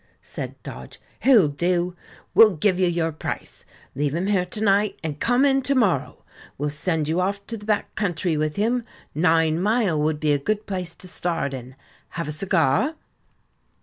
said Dodge; "he'll do. We'll give you your price. Leave him here to night, and come in to morrow. We'll send you off to the back country with him. Ninemile would be a good place to start in. Have a cigar?"